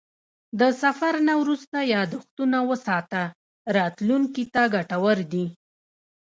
د سفر نه وروسته یادښتونه وساته، راتلونکي ته ګټور دي.